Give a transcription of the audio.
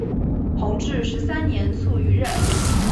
弘治十三年卒于任。